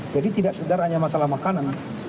jadi tidak sedar hanya masalah makanan